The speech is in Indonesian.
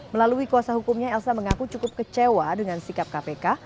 melalui kuasa hukumnya elsa mengaku cukup kecewa dengan sikap kpk